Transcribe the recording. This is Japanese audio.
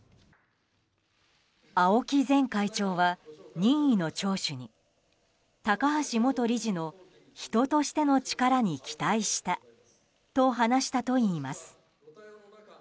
青木前会長は任意の聴取に高橋元理事の人としての力に期待したと話したといいます。